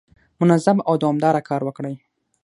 منظم او دوامداره کار وکړئ.